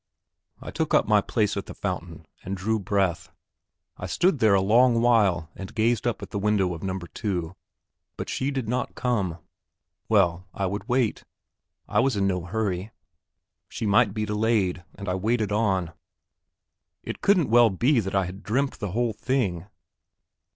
I took up my place at the fountain and drew breath. I stood there a long while and gazed up at the window of No. 2, but she did not come. Well, I would wait; I was in no hurry. She might be delayed, and I waited on. It couldn't well be that I had dreamt the whole thing!